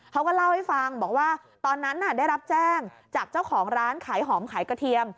เขาก็เล่าให้ฟังบอกว่าตอนนั้นได้รับแจ้งจากเจ้าของร้านขายหอมขายกระเทียม